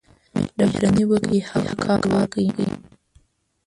مهرباني وکړئ، هغه کار وکړئ.